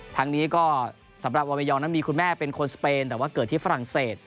ทั้งนี้ก็สำหรับวาเมยองนั้นมีคุณแม่เป็นคนสเปนแต่ว่าเกิดที่ฝรั่งเศส